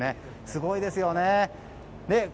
すごいですよね。